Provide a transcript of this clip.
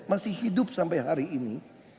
masih hidup sampai hari ini